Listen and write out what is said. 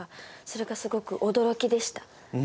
それがすごく驚きでした。